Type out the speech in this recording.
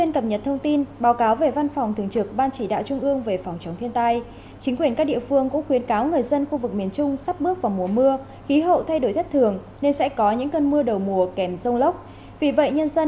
cảm ơn các bạn đã theo dõi và hẹn gặp lại